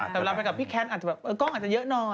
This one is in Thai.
แต่เวลาไปกับพี่แคทอาจจะแบบกล้องอาจจะเยอะหน่อย